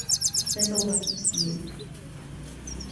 Nesouhlasím s tím.